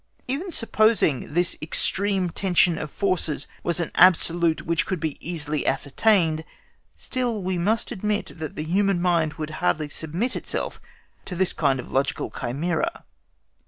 Even supposing this extreme tension of forces was an absolute which could easily be ascertained, still we must admit that the human mind would hardly submit itself to this kind of logical chimera.